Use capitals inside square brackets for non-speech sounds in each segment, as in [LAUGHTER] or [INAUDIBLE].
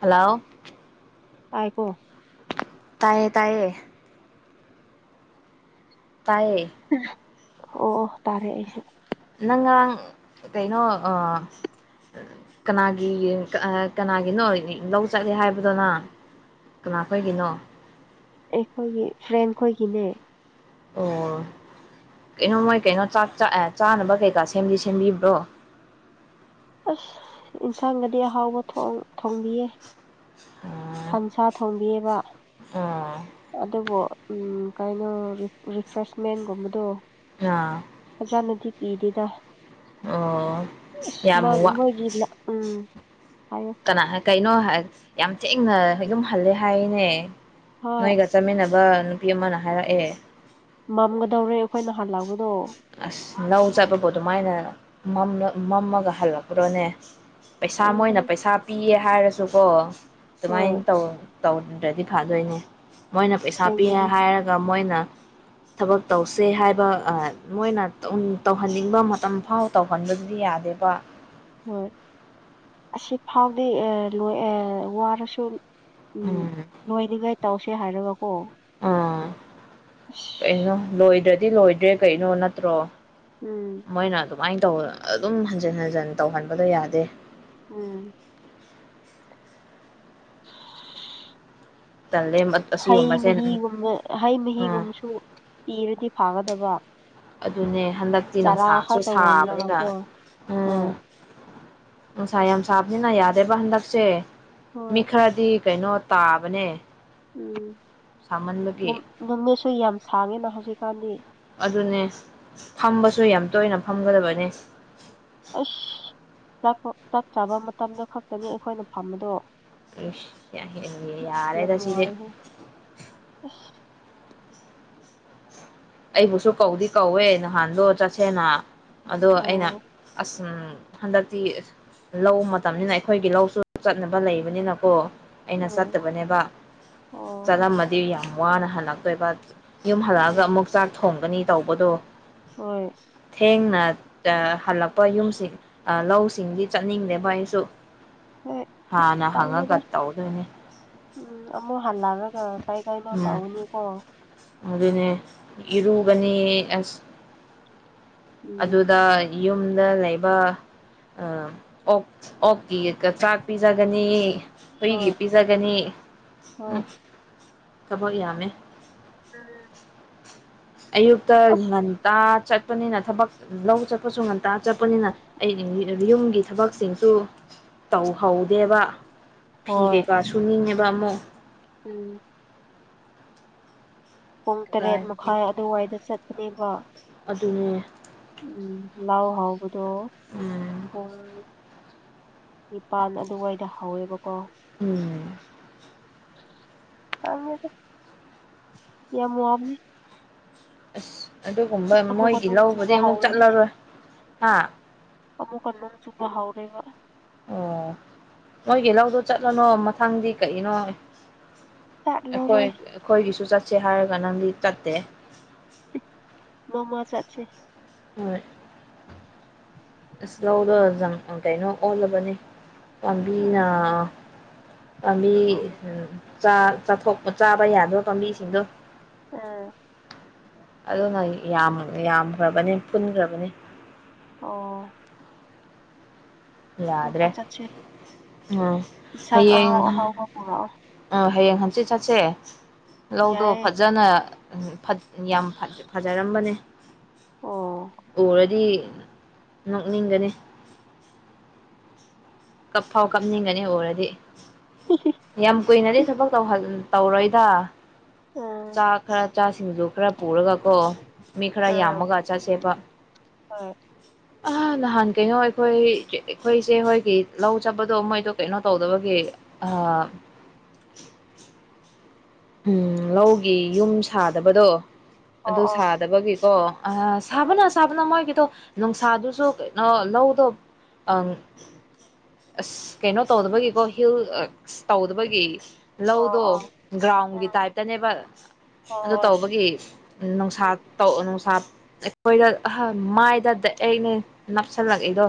hello ꯇꯥꯏꯀꯣ ꯇꯥꯏꯌꯦ ꯇꯥꯏꯌꯦ ꯇꯥꯏꯌꯦ ꯑꯣ ꯑꯣ ꯇꯥꯔꯦ ꯑꯩꯁꯨ ꯅꯪ ꯉꯔꯥꯡ ꯀꯩꯅꯣ ꯑ ꯀꯅꯥꯒꯤ ꯌꯦꯡ ꯀꯅꯥꯒꯤꯅꯣ ꯂꯧ ꯆꯠꯂꯦ ꯍꯥꯏꯕꯗꯣ ꯅꯪ ꯀꯅꯥ ꯈꯣꯏꯒꯤꯅꯣ ꯑꯩꯈꯣꯏꯒꯤ ꯐ꯭ꯔꯦꯟ ꯈꯣꯏꯒꯤꯅꯦ ꯑꯣ ꯀꯩꯅꯣ ꯃꯣꯏ ꯀꯩꯅꯣ ꯆꯥꯛ ꯆꯥ ꯆꯥꯅꯕ ꯀꯩꯀꯥ ꯁꯦꯝꯗꯤ ꯁꯦꯝꯕꯤꯕ꯭ꯔꯣ ꯑꯁ ꯌꯦꯟꯁꯥꯡꯒꯗꯤ ꯑꯍꯥꯎꯕ ꯊꯣꯡ ꯊꯣꯡꯕꯤꯌꯦ ꯁꯟꯁꯥ ꯊꯣꯡꯕꯤꯌꯦꯕ ꯑꯣ ꯑꯗꯨꯕꯨ ꯎꯝ ꯀꯩꯅꯣ ꯔꯤ ꯔꯤꯐ꯭ꯔꯦꯁꯃꯦꯟꯒꯨꯝꯕꯗꯣ ꯑꯥ ꯐꯖꯥꯅꯗꯤ ꯄꯤꯗꯦꯗ ꯑꯣ ꯑꯁ ꯌꯥꯝ ꯃꯥ ꯋꯥ ꯃꯣꯏꯒꯤ ꯂꯥꯛ ꯎꯝ ꯍꯥꯏꯌꯣ ꯀꯅ ꯀꯩꯅꯣ ꯌꯥꯝ ꯊꯦꯡꯅ ꯌꯨꯝ ꯍꯜꯂꯦ ꯍꯥꯏꯅꯦ ꯍꯣꯏ ꯅꯣꯏꯒ ꯆꯠꯃꯤꯟꯅꯕ ꯅꯨꯄꯤ ꯑꯃꯅ ꯍꯥꯏꯔꯛꯑꯦ ꯃꯝꯒꯗꯧꯔꯦ ꯑꯩꯈꯣꯏꯅ ꯍꯜ ꯂꯛꯄꯗꯣ ꯑꯁ ꯂꯧ ꯆꯠꯄꯕꯨ ꯑꯗꯨꯃꯥꯏꯅ ꯃꯝ ꯃꯝꯃꯒ ꯍꯜꯂꯛꯄ꯭ꯔꯣꯅꯦ ꯄꯩꯁꯥ ꯃꯣꯏꯅ ꯄꯩꯁꯥ ꯄꯤꯌꯦ ꯍꯥꯏꯔꯁꯨꯀꯣ ꯍꯣꯏ ꯑꯗꯨꯃꯥꯏꯅ ꯇꯧ ꯇꯧꯗ꯭ꯔꯗꯤ ꯐꯥꯗꯣꯏꯅꯦ ꯃꯣꯏꯅ ꯄꯩꯁꯥ ꯄꯤꯌꯦ ꯁꯦꯡꯕꯅꯤ ꯍꯥꯏꯔꯒ ꯃꯣꯏꯅ ꯊꯕꯛ ꯇꯧꯁꯦ ꯍꯥꯏꯕ ꯑ ꯃꯣꯏꯅ ꯇꯧ ꯇꯧꯍꯟꯅꯤꯡꯕ ꯃꯇꯝ ꯐꯥꯎ ꯇꯧꯍꯟꯕꯗꯨꯗꯤ ꯌꯥꯗꯦꯕ ꯍꯣꯏ ꯑꯁꯤ ꯐꯥꯎꯗꯤ ꯑ‌ꯦ ꯂꫭꯏ ꯑ‌ꯦ ꯋꯥꯔꯁꯨ ꯎꯝ ꯂꫭꯏꯅꯤꯡꯒꯥꯏ ꯇꯧꯁꯦ ꯍꯥꯏꯔꯒꯀꯣ ꯎꯥ ꯑꯁ ꯀꯩꯅꯣ ꯂꯣꯏꯗ꯭ꯔꯗꯤ ꯂꯣꯏꯗ꯭ꯔꯦ ꯀꯩꯅꯣ ꯅꯠꯇ꯭ꯔꯣ ꯎꯝ ꯃꯣꯏꯅ ꯑꯗꯨꯃꯥꯏꯅ ꯇꯧ ꯑꯗꯨꯝ ꯍꯟꯖꯤꯟ ꯍꯟꯖꯤꯟ ꯇꯧꯍꯟꯕꯗꯣ ꯌꯥꯗꯦ ꯎꯝ ꯇꯜꯂꯦ ꯍꯩ ꯑꯁꯤꯒꯨꯝꯕꯁꯦ ꯃꯍꯤꯒꯨꯝꯕ ꯍꯩ ꯎꯝ ꯃꯍꯤꯒꯨꯝꯕꯁꯨ ꯄꯤꯔꯗꯤ ꯐꯥꯒꯗꯕ ꯑꯗꯨꯅꯦ ꯍꯟꯗꯛꯇꯤ ꯆꯥꯔꯥ ꯅꯨꯡꯁꯥꯁꯨ ꯈꯛꯇ ꯁꯥꯕꯅꯤꯅ ꯑꯣꯜꯂꯒꯀꯣ ꯎꯝ ꯍꯣꯏ ꯅꯨꯡꯁꯥ ꯌꯥꯝ ꯁꯥꯕꯅꯤꯅ ꯌꯥꯗꯦꯕ ꯍꯟꯗꯛꯁꯦ ꯍꯣꯏ ꯃꯤ ꯈꯔꯗꯤ ꯀꯩꯅꯣ ꯇꯥꯕꯅꯦ ꯎꯝ ꯁꯥꯃꯟꯕꯒꯤ ꯅꯨꯃꯤꯠꯁꯨ ꯌꯥꯝ ꯁꯥꯡꯉꯦꯅ ꯍꯧꯖꯤꯛꯀꯥꯟꯗꯤ ꯑꯗꯨꯅꯦ ꯐꯝꯕꯁꯨ ꯌꯥꯝ ꯇꯣꯏꯅ ꯐꯝꯒꯗꯕꯅꯦ ꯑꯁ ꯆꯥꯛꯄ ꯆꯞ ꯆꯥꯕ ꯃꯇꯝꯗꯥ ꯈꯛꯇꯅꯤ ꯑꯩꯈꯣꯏꯅ ꯐꯝꯕꯗꯣ ꯁ ꯍ [UNINTELLIGIBLE] ꯌꯥꯝ ꯌꯥꯔꯦꯗ ꯁꯤꯗ ꯅꯨꯡꯉꯥꯏꯍꯦ ꯑꯁ ꯑꯩꯕꯨꯁꯨ ꯀꯧꯗꯤ ꯀꯧꯋꯦ ꯅꯍꯥꯟꯗꯣ ꯆꯠꯁꯦꯅ ꯑꯗꯣ ꯑꯩꯅ ꯑꯣ ꯑꯁ ꯎꯝ ꯍꯟꯗꯛꯇꯤ ꯂꯧ ꯃꯇꯝꯅꯤꯅ ꯑꯩꯈꯣꯏꯒꯤ ꯂꯧꯁꯨ ꯆꯠꯅꯕ ꯂꯩꯕꯅꯤꯅꯀꯣ ꯑꯩꯅ ꯎꯝ ꯆꯠꯇꯕꯅꯦꯕ ꯑꯣ ꯆꯠꯂꯝꯃꯗꯤ ꯌꯥꯝ ꯋꯥꯅ ꯍꯜꯂꯛꯇꯣꯏꯕ ꯌꯨꯝ ꯍꯜꯂꯛꯑꯒ ꯎꯝ ꯑꯃꯨꯛ ꯆꯥꯛ ꯊꯣꯡꯒꯅꯤ ꯇꯧꯕꯗꯣ ꯍꯣꯏ ꯊꯦꯡꯅ ꯇ ꯍꯜꯂꯛꯄ ꯌꯨꯝꯁꯤ ꯑꯥ ꯂꯧꯁꯤꯡꯗꯤ ꯆꯠꯅꯤꯡꯗꯦ ꯚꯥꯏ ꯑꯩꯁꯨ ꯍꯣꯏ ꯑꯁ ꯍꯥꯟꯅ ꯍꯪꯉꯒ ꯇꯜꯂꯦꯗ ꯇꯧꯗꯣꯏꯅꯦ ꯎꯝ ꯑꯃꯨꯛ ꯍꯜꯂꯛꯑꯒ ꯀꯩꯏ ꯀꯩꯏꯅꯣ ꯎꯝ ꯇꯧꯅꯤꯀꯣ ꯑꯗꯨꯅꯦ ꯏꯔꯨꯒꯅꯤ ꯑꯁ ꯎꯝ ꯑꯗꯨꯗ ꯌꯨꯝꯗ ꯂꯩꯕ ꯑꯥ ꯑꯣꯛ ꯑꯣꯀꯦ ꯆꯥꯛ ꯄꯤꯖꯒꯅꯤ ꯍꯣꯏ ꯍꯨꯏꯒꯤ ꯄꯤꯖꯒꯅꯤ ꯍꯣꯏ ꯎꯝ ꯊꯕꯛ ꯌꯥꯝꯃꯦ ꯎꯝ ꯑꯌꯨꯛꯇ ꯑꯁ ꯉꯟꯇꯥ ꯆꯠꯄꯅꯤꯅ ꯊꯕꯛ ꯂꯧ ꯆꯠꯄꯁꯨ ꯉꯟꯇꯥ ꯆꯠꯄꯅꯤꯅ ꯑꯩ [UNINTELLIGIBLE] ꯌꯨꯝꯒꯤ ꯊꯕꯛꯁꯤꯡꯁꯨ ꯇꯧꯍꯧꯗꯦꯕ ꯐꯤ ꯍꯣꯏ ꯀꯩꯀꯥ ꯁꯨꯅꯤꯡꯉꯦꯕ ꯑꯃꯨꯛ ꯎꯝ ꯄꯨꯡ ꯇꯔꯦꯠ ꯀꯗꯥꯏꯗꯒꯤ ꯃꯈꯥꯏ ꯑꯗꯨꯋꯥꯏꯗ ꯆꯠꯄꯅꯦꯕ ꯑꯗꯨꯅꯦ ꯎꯝ ꯂꯥꯎ ꯍꯥꯎꯕꯗꯣ ꯎꯝ ꯄꯨꯡ ꯅꯤꯄꯥꯜ ꯑꯗꯨꯋꯥꯏꯗ ꯍꯧꯋꯦꯕꯀꯣ ꯎꯝ ꯌꯥꯝꯃꯤꯗ [UNINTELLIGIBLE] ꯌꯥꯝ ꯌꯥꯝꯃꯤ ꯑꯁ ꯑꯗꯨꯒꯨꯝꯕ ꯑꯁ ꯑꯃꯨꯛꯀ ꯃꯣꯏꯒꯤ ꯅꯣꯡ ꯆꯨꯕ ꯂꯧꯕꯗꯤ ꯑꯃꯨꯛ ꯍꯧꯔꯦꯍꯦ ꯆꯠꯂꯔꯣꯏ ꯍꯥ ꯑꯃꯨꯛꯀꯥ ꯅꯣꯡ ꯆꯨꯕ ꯍꯧꯔꯦꯕ ꯑꯣ ꯅꯣꯏꯒꯤ ꯂꯧꯗꯣ ꯆꯠꯂꯅꯣ ꯃꯊꯪꯗꯤ ꯀꯔꯤꯒꯤꯅꯣ ꯑꯩꯈꯣꯏ ꯆꯠꯂꯔꯣꯏ ꯑꯩꯈꯣꯏꯒꯤꯁꯨ ꯆꯠꯁꯦ ꯍꯥꯏꯔꯒ ꯅꯪꯗꯤ ꯆꯠꯇꯦ ꯅꯣꯃꯥ ꯆꯠꯁꯤ ꯍꯣꯏ ꯑꯁ ꯂꯧꯗꫭ ꯀꯩꯅꯣ ꯑꯣꯜꯂꯕꯅꯦ ꯄꯥꯝꯕꯤꯅ ꯎꯝ ꯄꯥꯝꯕꯤ ꯑꯣ ꯆꯥꯊꯣꯛꯄ ꯆꯥꯕ ꯌꯥꯗꯣꯏ ꯄꯥꯝꯕꯤꯁꯤꯡꯗꯣ ꯑꯥ ꯑꯗꯨꯅ ꯌꯥꯝꯈ꯭ꯔꯕꯅꯤ ꯄꯨꯟꯈ꯭ꯔꯕꯅꯤ ꯑꯣ ꯅꯣꯡꯃ ꯌꯥꯗ꯭ꯔꯦ ꯆꯠꯁꯦ ꯎꯝ ꯏꯟꯁꯥꯡ ꯍꯌꯦꯡ ꯑꯍꯥꯎ ꯑꯍꯥꯎꯕ ꯄꯨꯔꯛꯑꯣ ꯍꯌꯦꯡ ꯍꯟꯆꯤꯠ ꯆꯠꯁꯦ ꯂꯧꯗꯣ ꯌꯥꯏꯌꯦ ꯐꯖꯅ ꯌꯥꯝ ꯐꯖꯔꯝꯕꯅꯦ ꯑꯣ ꯎꯔ ꯎꯔꯥꯗꯤ ꯅꯣꯛꯅꯤꯡꯒꯅꯤ ꯀꯞꯐꯥꯎ ꯀꯞꯅꯤꯡꯒꯅꯤ ꯑꯣꯏꯔꯗꯤ ꯌꯥꯝ ꯀꯨꯏꯅꯗꯤ ꯊꯕꯛ ꯇꯧꯍꯜ ꯇꯧꯔꯣꯏꯗ ꯎꯝ ꯆꯥ ꯈꯔ ꯆꯥꯁꯤꯡꯖ ꯈꯔ ꯄꯨꯔꯒ ꯀꯣ ꯃꯤ ꯈꯔ ꯑꯥ ꯌꯥꯝꯃꯒ ꯑꯆꯥꯥꯁꯦꯠꯄ ꯍꯣꯏ ꯑ ꯅꯍꯥꯟ ꯀꯩꯅꯣ ꯑꯩꯈꯣꯏ ꯑꯩꯈꯣꯏꯁꯦ ꯍꯣꯏꯒꯤ ꯂꯧ ꯆꯠꯄꯗꯣ ꯃꯣꯏꯗꯣ ꯀꯩꯅꯣ ꯇꯧꯗꯕꯒꯤ ꯑꯥ ꯎꯝ ꯂꯧꯒꯤ ꯌꯨꯝ ꯁꯥꯗꯕꯗꯣ ꯑꯣ ꯑꯗꯨ ꯑꯣ ꯁꯥꯗꯕꯒꯤꯀꯣ ꯑ ꯑꯥ ꯁꯥꯕꯅ ꯁꯥꯕꯅ ꯃꯣꯏꯒꯤꯗꯣ ꯅꯨꯡꯁꯥꯗꯨꯁꯨ ꯀꯩꯅꯣ ꯂꯧꯗꯣ ꯑꯪ ꯑꯁ ꯀꯩꯅꯣ ꯇꯧꯗꯕꯒꯤꯀꯣ ꯍꯤꯜ ꯇꯧꯗꯕꯒꯤ ꯑꯣ ꯂꯧꯗꯣ ꯑꯣ ꯎꯝ ꯒ꯭ꯔꯥꯎꯟꯒꯤ ꯇꯥꯏꯞꯇꯅꯦꯕ ꯑꯗꯨ ꯍꯣꯏ ꯍꯣꯏ ꯇꯧꯕꯒꯤ ꯅꯨꯡꯁꯥ ꯎꯝ ꯇꯧ ꯅꯨꯡꯁꯥ ꯑꯩꯈꯣꯏꯗ ꯑꯍ ꯃꯥꯏꯗ ꯗꯥꯏꯔ‌ꯦꯛꯅꯦ ꯅꯞꯁꯜꯂꯛꯏꯗꯣ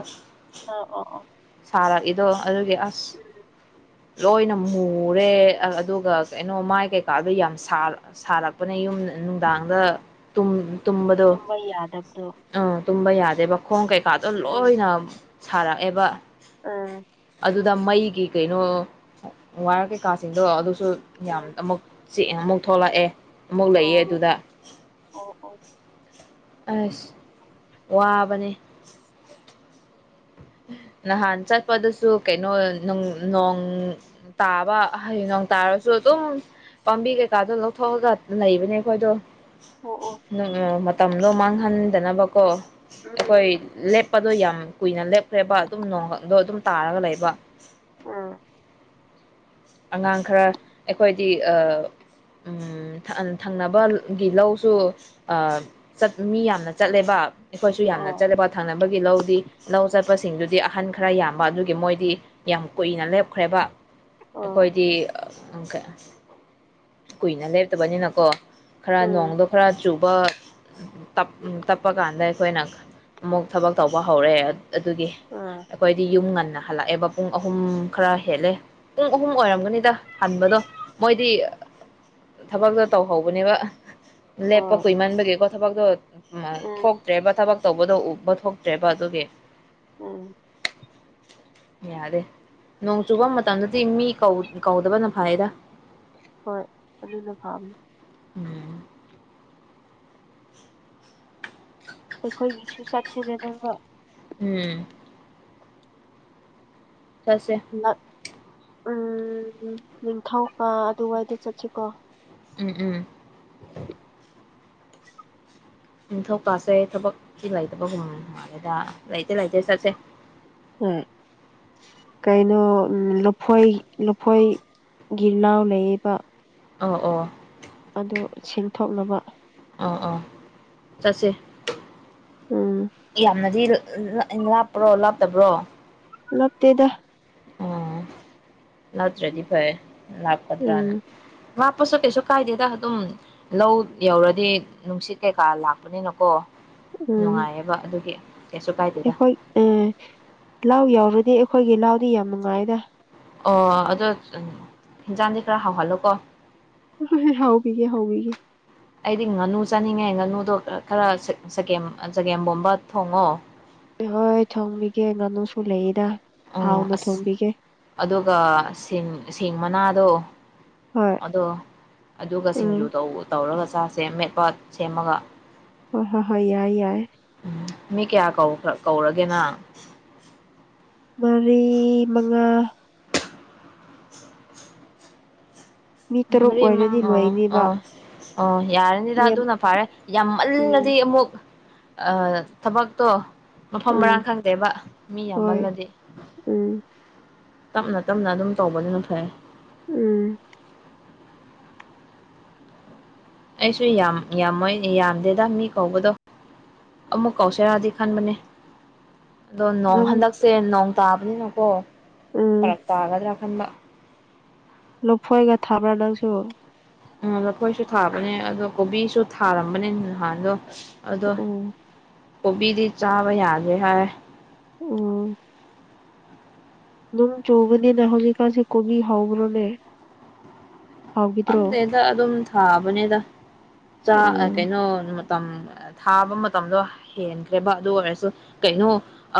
ꯑꯣ ꯑꯣ ꯑꯣ ꯁꯥꯔꯛꯏꯗꯣ ꯑꯗꯨꯒꯤ ꯑꯁ ꯎꯝ ꯂꯣꯏꯅ ꯃꯨꯔꯦ ꯑꯗꯨꯒ ꯀꯩꯅꯣ ꯃꯥꯏ ꯀꯩꯀꯥꯗ ꯌꯥꯝ ꯁꯥꯔꯛꯄꯅꯦ ꯌꯨꯝ ꯅꯨꯡꯗꯥꯡꯗ ꯇꯨꯝꯕꯗꯣ ꯇꯨꯝꯕ ꯌꯥꯗꯕꯗꯣ ꯎꯝ ꯇꯨꯝꯕ ꯌꯥꯗꯦꯕ ꯈꯣꯡ ꯀꯩꯀꯥꯗꯣ ꯑꯗꯨꯅ ꯂꯣꯏꯅ ꯁꯥꯔꯛꯑꯦꯕ ꯎꯝ ꯑꯗꯨꯗ ꯃꯩꯒꯤ ꯀꯩꯅꯣ ꯋꯥꯔ ꯀꯩꯀꯥꯁꯤꯡꯗꯣ ꯑꯗꯨꯁꯨ ꯌꯥꯝ ꯎꯝ ꯑꯃꯨꯛ ꯆꯦꯡ ꯑꯃꯨꯛ ꯊꯣꯛꯂꯛꯑꯦ ꯑꯃꯨꯛ ꯂꯩꯌꯦ ꯑꯣ ꯑꯗꯨꯗ ꯑꯣ ꯑꯣ ꯑꯁ ꯋꯥꯕꯅꯦ [INAUDIBLE] ꯅꯍꯥꯟ ꯆꯠꯄꯗꯁꯨ ꯀꯩꯅꯣ ꯅꯣꯡ ꯇꯥꯕ ꯍꯥꯏꯌꯦꯡ ꯅ‌ꯣꯡ ꯇꯥꯔꯁꯨ ꯁꯨ ꯑꯗꯨꯝ ꯄꯥꯝꯕꯤ ꯀꯩꯀꯥꯗꯣ ꯂꯧꯊꯣꯛꯑꯒ ꯂꯩꯕꯅꯦ ꯑꯩꯈꯣꯏꯗꯣ ꯑꯣ ꯑꯣ ꯃꯇꯝꯗꯣ ꯃꯥꯡꯍꯟꯗꯅꯕꯀꯣ ꯑꯩꯈꯣꯏ ꯎꯝ ꯂꯦꯞꯄꯗꯣ ꯌꯥꯝ ꯀꯨꯏꯅ ꯂꯦꯞꯈ꯭ꯔꯦꯕ ꯑꯗꯨꯝ ꯅꯣꯡꯈꯛꯗꯣ ꯑꯗꯨꯝ ꯇꯥꯔꯒ ꯂꯩꯕ ꯑꯥ ꯑꯉꯥꯡ ꯈꯔ ꯑꯩꯈꯣꯏꯗꯤ ꯑꯥ ꯊꯪꯅꯕꯒꯤ ꯂꯧꯁꯨ ꯑꯥ ꯆꯠ ꯃꯤ ꯌꯥꯝꯅ ꯆꯠꯂꯦꯕ ꯑꯩꯈꯣꯏꯁꯨ ꯌꯥꯝꯅ ꯑꯣ ꯆꯠꯂꯦꯕ ꯊꯪꯅꯕꯒꯤ ꯂꯧꯗꯤ ꯂꯧ ꯆꯠꯄꯁ‌ꯦ ꯁꯤꯡꯗꯨꯗꯤ ꯑꯍꯟ ꯈꯔ ꯌꯥꯝꯕ ꯑꯗꯨꯒꯤ ꯃꯣꯏꯗꯤ ꯌꯥꯝ ꯀꯨꯏꯅ ꯂꯦꯞꯈ꯭ꯔꯦꯕ ꯑꯣ ꯑꯩꯈꯣꯏꯗꯤ ꯀꯨꯏꯅ ꯂꯦꯞꯇꯕꯅꯤꯅꯀꯣ ꯈꯔ ꯎꯝ ꯅꯣꯡꯗꯣ ꯈꯔ ꯆꯨꯕ ꯇꯞꯄ ꯀꯥꯟꯗ ꯑꯩꯈꯣꯏꯅ ꯑꯃꯨꯛ ꯊꯕꯛ ꯇꯧꯕ ꯍꯧꯔ‌ꯦ ꯑꯗꯨꯒꯤ ꯑꯥ ꯑꯩꯈꯣꯏꯗꯤ ꯌꯨꯝ ꯉꯟꯅ ꯍꯜꯂꯛꯑꯦꯕ ꯄꯨꯡ ꯑꯍꯨꯝ ꯈꯔ ꯍꯦꯜꯂꯦ ꯄꯨꯡ ꯑꯍꯨꯝ ꯑꯣꯏꯔꯝꯒꯅꯤꯗ ꯍꯟꯕꯗꯣ ꯃꯣꯏꯗꯤ ꯊꯥꯕꯛꯇꯣ ꯇꯧꯍꯧꯕꯅꯦꯕ ꯂꯦꯞꯄ ꯍꯣꯏ ꯀꯨꯏꯃꯟꯕꯒꯤ ꯀꯣ ꯊꯥꯕꯛꯇꯣ ꯎꯝ ꯊꯣꯛ ꯇ꯭ꯔꯦꯕ ꯊꯥꯕꯛ ꯇꯧꯕꯗꯣ ꯎꯕ ꯊꯣꯛꯇ꯭ꯔꯦꯕ ꯑꯗꯨꯒꯤ ꯑꯝ ꯌꯥꯗꯦ ꯅꯣꯡ ꯆꯨꯕ ꯃꯇꯝꯗꯗꯤ ꯃꯤ ꯀꯧ ꯀꯧꯗꯕꯅ ꯐꯩꯗ ꯍꯣꯏ ꯑꯗꯨꯅ ꯐꯥꯕꯅꯦ ꯎꯝ ꯑꯩꯈꯣꯏꯒꯤꯁꯨ ꯆꯠꯁꯤꯅꯦꯗ ꯅꯪꯒ ꯑꯝ ꯆꯠꯁꯦ ꯎꯝ ꯅꯤꯡꯊꯧꯀ ꯑꯗꯨꯋꯥꯏꯗ ꯆꯠꯁꯤ ꯀꯣ ꯎꯝ ꯎꯝ ꯅꯤꯡꯊꯧꯀꯁꯦ ꯊꯥꯕꯛꯀꯤ ꯂꯩꯇꯕ ꯃꯥꯜꯂꯤꯗ ꯂꯩꯇꯦ ꯂꯩꯇꯦ ꯆꯠꯁꯦ ꯎꯝ ꯀꯩꯅꯣ ꯂꯐꯣꯏ ꯂꯐꯣꯏꯒꯤ ꯂꯥ ꯂꯩꯌꯦꯕ ꯑꯣ ꯑꯣ ꯑꯗꯨ ꯁꯤꯡꯊꯣꯛꯅꯕ ꯑꯥ ꯑꯥ ꯆꯠꯁꯤ ꯎꯝ ꯌꯥꯝꯅꯗꯤ ꯂꯥ ꯂꯥꯞꯄ꯭ꯔꯣ ꯂꯥꯞꯇꯕ꯭ꯔꯣ ꯂꯥꯞꯇꯦꯗ ꯑꯣ ꯅꯠꯇ꯭ꯔꯗꯤ ꯐꯩꯌꯦ ꯎꯝ ꯂꯥꯞꯀꯗ꯭ꯔꯅ ꯂꯥꯞꯄꯁꯨ ꯀꯩꯁꯨ ꯀꯥꯏꯗꯦꯗ ꯑꯗꯨꯝ ꯂꯧ ꯌꯧꯔꯗꯤ ꯅꯨꯡꯁꯤꯠ ꯀꯩꯀꯥ ꯂꯥꯛꯄꯅꯤꯅ ꯀꯣ ꯎꯝ ꯅꯨꯡꯉꯥꯏꯌꯦꯕ ꯑꯗꯨꯒꯤ ꯀꯩꯁꯨ ꯀꯥꯏꯗꯦꯗ ꯑꯝ ꯂꯧ ꯌꯧꯔꯗꯤ ꯑꯩꯈꯣꯏꯒꯤ ꯂꯧꯗꯤ ꯌꯥꯝ ꯅꯨꯡꯉꯥꯏꯌꯦꯗ ꯑꯣ ꯑꯗꯣ ꯍꯤꯟꯖꯥꯡꯗꯤ ꯈꯔ ꯍꯥꯎꯍꯜꯂꯣ ꯀꯣ ꯍꯣꯏ ꯍꯣꯏ ꯍꯥꯎꯕꯤꯒꯦ ꯍꯥꯎꯕꯤꯒꯦ ꯑꯩꯗꯤ ꯉꯥꯅꯨ ꯆꯥꯅꯤꯡꯉꯦ ꯉꯥꯅꯨꯗꯣ ꯈꯔ ꯆꯒꯦꯝ ꯆꯒꯦꯝꯕꯣꯝꯕ ꯊꯣꯡꯉꯣ ꯍꯣꯏ ꯊꯣꯡꯕꯤꯒꯦ ꯉꯥꯅꯨꯁꯨ ꯂꯩꯗ ꯑꯣ ꯍꯥꯎꯅ ꯑꯁ ꯊꯣꯡꯕꯤꯒꯦ ꯑꯗꯨꯒ ꯁꯤꯡ ꯁꯤꯡ ꯃꯅꯥꯗꯣ ꯍꯣꯏ ꯑꯗꯣ ꯑꯗꯨꯒ ꯁꯤꯡꯖꯨ ꯎꯝ ꯇꯧ ꯇꯧꯔꯒ ꯆꯥꯁꯦ ꯑꯃꯦꯠꯄ ꯁꯦꯝꯃꯒ ꯍꯣꯏ ꯍꯣꯏ ꯍꯣꯏ ꯌꯥꯏ ꯌꯥꯏ ꯑꯝ ꯃꯤ ꯀꯌꯥ ꯀꯧ ꯀꯧꯔꯒꯦ ꯅꯪ ꯃꯔꯤ ꯃꯉꯥ ꯃꯤ ꯇꯔꯨꯛ ꯃꯔꯤ ꯑꯣꯏꯔꯗꯤ ꯃꯉꯥ ꯂꯣꯏꯅꯦꯕ ꯑꯥ ꯑꯣ ꯌꯥꯔꯅꯤꯗ ꯌꯥꯝ ꯑꯗꯨꯅ ꯐꯔꯦ ꯎꯝ ꯌꯥꯝꯃꯜꯂꯗꯤ ꯑꯃꯨꯛ ꯑꯥ ꯊꯥꯕꯛꯇꯣ ꯃꯐꯝ ꯎꯝ ꯃꯔꯥꯡ ꯈꯪꯗꯦꯕ ꯃꯤ ꯌꯥꯝꯃꯜꯂꯗꯤ ꯑꯝ ꯇꯞꯅ ꯇꯞꯅ ꯑꯗꯨꯝ ꯇꯧꯕꯗꯨꯅ ꯐꯩ ꯑꯝ ꯑꯩꯁꯨ ꯌꯥꯝ ꯌꯥꯝꯃꯣꯏ ꯌꯥꯝꯗꯦꯗ ꯃꯤ ꯀꯧꯕꯗꯣ ꯑꯃꯨꯛ ꯀꯧꯁꯤꯔꯗꯤ ꯈꯟꯕꯅꯦ ꯑꯗꯣ ꯅꯣꯡ ꯅꯪ ꯍꯟꯗꯛꯁꯦ ꯅꯣꯡ ꯇꯥꯕꯅꯤꯅꯀꯣ ꯑꯝ ꯐꯔꯛ ꯇꯥꯒꯗ꯭ꯔꯥ ꯈꯟꯕ ꯂꯥꯐꯣꯏꯒ ꯊꯥꯕ꯭ꯔꯥ ꯅꯪꯁꯨ ꯑꯝ ꯂꯥꯐꯣꯏꯁꯨ ꯊꯥꯕꯅꯦ ꯑꯗꯣ ꯀꯣꯕꯤꯁꯨ ꯊꯥꯔꯝꯕꯅꯤ ꯅꯍꯥꯟꯗꯣ ꯑꯗꯣ ꯎꯝ ꯀꯣꯕꯤꯗꯤ ꯆꯥꯕ ꯌꯥꯗꯦ ꯍꯥꯏꯌꯦ ꯑꯣ ꯅꯨꯡ ꯆꯧꯒꯅꯤꯗ ꯍꯧꯖꯤꯛ ꯀꯥꯥꯟꯁꯦ ꯀꯣꯕꯤ ꯍꯧꯕ꯭ꯔꯣꯅꯦ ꯍꯥꯎꯈꯤꯗ꯭ꯔꯣ ꯈꯪꯗꯦꯗ ꯑꯗꯨꯝ ꯊꯥꯕꯅꯦꯗ ꯆꯥꯛ ꯎꯝ ꯀꯩꯅꯣ ꯇꯝ ꯊꯥꯕ ꯃꯇꯝꯗꯣ ꯍꯦꯟꯈ꯭ꯔꯦꯕ ꯑꯗꯨ ꯑꯣꯏꯔꯁꯨ ꯀꯩꯅꯣ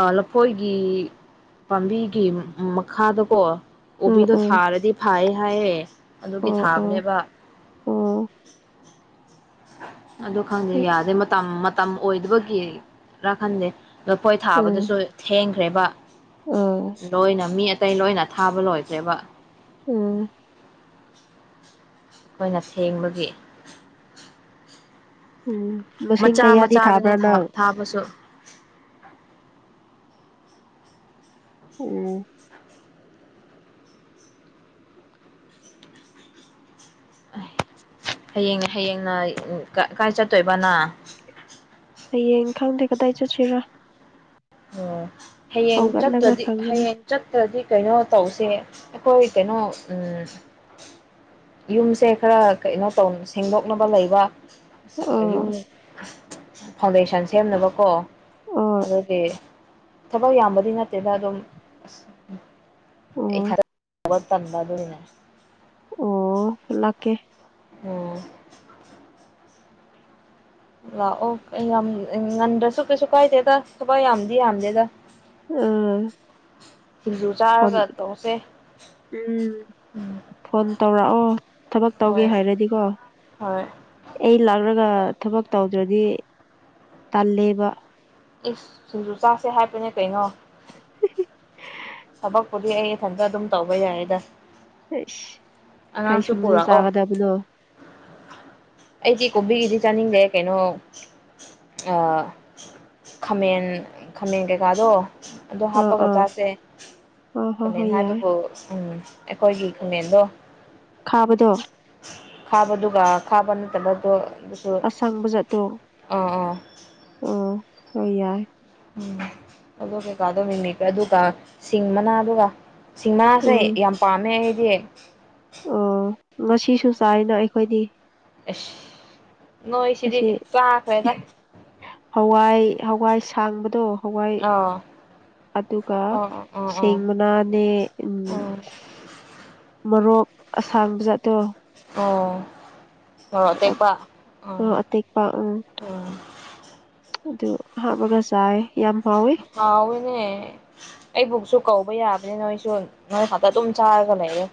ꯑ ꯂꯐꯣꯏꯒꯤ ꯄꯥꯝꯕꯤꯒꯤ ꯃꯈꯥꯗꯀꯣ ꯎꯝ ꯀꯣꯕꯤꯗꯣ ꯎꯝ ꯊꯥꯔꯗꯤ ꯐꯌꯦ ꯍꯥꯏꯌꯦ ꯑꯗꯨꯒꯤ ꯑꯣ ꯑꯣ ꯊꯥꯕꯅꯦꯕ ꯑꯣ ꯑꯗꯨ ꯈꯪꯗꯦ ꯌꯥꯗꯦ ꯃꯇꯝ ꯃꯇꯝ ꯑꯣꯏꯗꯕꯒꯤꯔ ꯈꯟꯗꯦ ꯂꯐꯣꯏ ꯎꯝ ꯊꯥꯕꯗꯁꯨ ꯊꯦꯡꯈ꯭ꯔꯦꯕ ꯑꯥ ꯂꯣꯏꯅ ꯃꯤ ꯑꯇꯩ ꯂꯣꯏꯅ ꯊꯥꯕ ꯂꯣꯏꯗꯈ꯭ꯔꯦꯕ ꯎꯝ ꯈꯣꯏꯅ ꯁꯦꯡꯕꯒꯤ ꯎꯝ ꯂꯨꯁꯤꯡ ꯃꯆꯥ ꯀꯌꯥꯗꯤ ꯃꯆꯥꯗꯅꯦ ꯊꯥꯕ꯭ꯔꯥ ꯅꯪ ꯊꯥꯕꯁꯨ ꯎꯝ ꯍꯌꯦꯡ ꯍꯌꯦꯡꯅ ꯀꯥꯏ ꯆꯠꯇꯣꯏꯕ ꯅꯪ ꯍꯌꯦꯡ ꯈꯪꯗꯦ ꯀꯗꯥꯏ ꯆꯠꯁꯤꯔ ꯍꯌꯦꯡ ꯍꯧꯒꯠꯂꯒ ꯆꯠꯇꯗꯤ ꯈꯪꯒꯅꯤ ꯍꯌꯦꯡ ꯆꯠꯇꯗꯤ ꯀꯩꯅꯣ ꯇꯧꯁꯦ ꯑꯩꯈꯣꯏ ꯀꯩꯅꯣ ꯌꯨꯝꯁꯦ ꯈꯔ ꯀꯩꯅꯣ ꯇꯧ ꯁꯦꯡꯗꯣꯛꯅꯕ ꯂꯩꯕ ꯑꯥ ꯌꯨꯝ ꯐꯥꯎꯟꯗꯦꯁꯟ ꯁꯦꯝꯅꯕꯀꯣ ꯑꯣ ꯑꯗꯨꯗꯤ ꯊꯕꯛ ꯌꯥꯝꯕꯗꯤ ꯅꯠꯇꯦꯗ ꯑꯗꯨꯝ ꯑꯣ ꯑꯩꯊꯟ ꯇꯟꯕ‌ ꯑꯗꯨꯅꯤꯅꯦ ꯑꯣ ꯂꯥꯛꯀꯦ ꯑꯣ ꯂꯥꯛꯑꯣ ꯀ ꯌꯥꯝ ꯉꯟꯗ꯭ꯔꯁꯨ ꯀꯩꯁꯨ ꯀꯥꯏꯗꯦꯗ ꯊꯕꯛ ꯌꯥꯝꯗꯤ ꯌꯥꯝꯗꯦꯗ ꯎꯝ ꯁꯤꯡꯖꯨ ꯆꯥꯔꯒ ꯇꯧꯁꯦ ꯎꯝ ꯎꯝ ꯐꯣꯟ ꯇꯧꯔꯛꯑꯣ ꯊꯕꯛ ꯇꯧꯒꯦ ꯍꯥꯏꯔꯗꯤꯀꯣ ꯍꯣꯏ ꯑꯩ ꯂꯥꯛꯔꯒ ꯊꯕꯛ ꯇꯧꯗ꯭ꯔꯗꯤ ꯇꯜꯂꯦꯕ ꯏꯁ ꯁꯤꯡꯖꯨ ꯆꯥꯁꯦ ꯍꯥꯏꯕꯅꯦ ꯀꯩꯅꯣ ꯊꯕꯛꯄꯨꯗꯤ ꯑꯩ ꯏꯊꯟꯇ ꯑꯗꯨꯝ ꯇꯧꯕ ꯌꯥꯏꯌꯦꯗ ꯏꯁ ꯀꯩ ꯑꯉꯥꯡꯁꯨ ꯁꯤꯡꯖꯨ ꯄꯨꯔꯛꯑꯣ ꯆꯥꯒꯗꯕꯅꯣ ꯑꯩꯗꯤ ꯀꯣꯝꯕꯤꯒꯤꯗꯤ ꯆꯥꯅꯤꯡꯗꯦ ꯀꯩꯅꯣ ꯑ ꯈꯥꯃꯦꯟ ꯈꯥꯃꯦꯟ ꯀꯩꯀꯥꯗꯣ ꯑꯗꯣ ꯑꯥ ꯍꯥꯞꯄꯒ ꯑꯥ ꯆꯥꯁꯦ ꯑꯥ ꯍꯣꯏ ꯈꯃꯦꯟ ꯍꯣꯏ ꯌꯥꯏ ꯍꯥꯏꯕꯕꯨ ꯎꯝ ꯑꯩꯈꯣꯏꯒꯤ ꯈꯃꯦꯟꯗꯣ ꯈꯥꯕꯗꯣ ꯈꯥꯕꯗꯨꯒ ꯈꯥꯕ ꯅꯠꯇꯕꯗꯣ ꯑꯁꯪꯕꯖꯠꯇꯣ ꯑꯥ ꯑꯥ ꯑꯣ ꯍꯣꯏ ꯌꯥꯏ ꯎꯝ ꯑꯗꯨ ꯀꯩꯀꯥꯗꯣ ꯃꯦꯀ꯭ꯔ ꯗꯨꯒ ꯁꯤꯡ ꯃꯅꯥꯗꯨꯒ ꯁꯤꯡꯃꯥꯅꯁꯦ ꯌꯥꯝ ꯄꯥꯝꯃꯦ ꯑꯩꯗꯤ ꯎꯝ ꯉꯁꯤꯁꯨ ꯆꯥꯏꯗ ꯑꯩꯈꯣꯏꯗꯤ ꯑꯩꯁ ꯅꯣꯏꯁꯤꯗꯤ ꯑꯁꯤ ꯆꯥꯈ꯭ꯔꯦꯗ ꯍꯋꯥꯏ ꯍꯋꯥꯏ ꯁꯥꯡꯕꯗꯣ ꯍꯋꯥꯏ ꯑꯥ ꯑꯗꯨꯒ ꯑꯥ ꯑꯥ ꯁꯦꯡꯃꯅꯥꯅꯦ ꯎꯝ ꯑꯥ ꯑꯥ ꯃꯣꯔꯣꯛ ꯑꯁꯥꯡꯕ ꯖꯥꯠꯇꯣ ꯑꯣ ꯃꯣꯔꯣꯛ ꯑꯇꯦꯛꯄ ꯑꯥ ꯇꯦꯛꯄ ꯎꯝ ꯑꯗꯨ ꯍꯥꯞꯔꯒ ꯆꯥꯏꯌꯦ ꯌꯥꯝ ꯍꯥꯎꯋꯤ ꯍꯥꯎꯋꯦꯅꯦ ꯑꯩꯕꯨꯛꯁꯨ ꯀꯧꯕ ꯌꯥꯕꯅꯤ ꯅꯣꯏꯁꯨ ꯅꯣꯏ ꯈꯛꯇ ꯑꯗꯨꯝ ꯆꯥꯔꯒ ꯂꯩꯌꯦ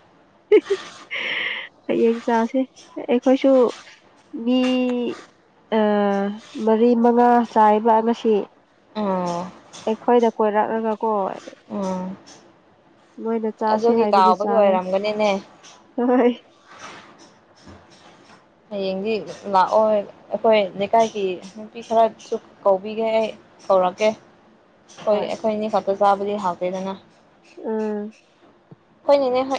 ꯍꯌꯦꯡ ꯆꯥꯁꯦ ꯑꯩꯈꯣꯏꯁꯨ ꯃꯤ ꯑꯥ ꯃꯔꯤ ꯃꯉꯥ ꯆꯥꯏꯌꯦꯕ ꯉꯁꯤ ꯎꯝ ꯑꯩꯈꯣꯏꯗ ꯀꯣꯏꯔꯛꯂꯒ ꯀꯣ ꯎꯝ ꯃꯣꯏꯅ ꯆꯁꯤ ꯑꯗꯨꯒꯤ ꯍꯥꯏꯕꯒꯤ ꯀꯥꯎꯕꯒꯤ ꯆꯥꯔꯦ ꯑꯣꯏꯔꯝꯒꯅꯤꯅꯦ ꯍꯣꯏ ꯍꯌꯦꯡꯗꯤ ꯂꯥꯛꯑꯣꯏ ꯑꯩꯈꯣꯏ ꯂꯩꯀꯥꯏꯒꯤ ꯅꯨꯄꯤ ꯈꯔꯁꯨ ꯀꯧꯕꯤꯒꯦ ꯑꯩ ꯀꯧꯔꯛꯀꯦ ꯍꯣꯏ ꯑꯩꯈꯣꯏꯅꯤ ꯈꯛꯇ ꯆꯥꯕꯗꯤ ꯍꯥꯥꯎꯇꯦꯗꯅ ꯎꯝ ꯍꯣꯏꯅꯦꯅꯦ ꯍꯣꯏ